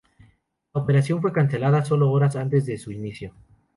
La operación fue cancelada solo horas antes de su inicio.